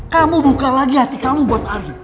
kamu buka lagi hati kamu buat ari